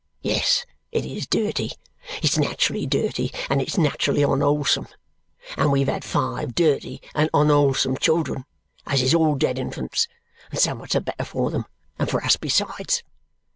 Yes, it is dirty it's nat'rally dirty, and it's nat'rally onwholesome; and we've had five dirty and onwholesome children, as is all dead infants, and so much the better for them, and for us besides.